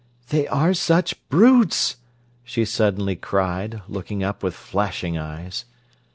"They are such brutes!" she suddenly cried, looking up with flashing eyes.